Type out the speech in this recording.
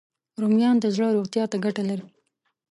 رومیان د زړه روغتیا ته ګټه لري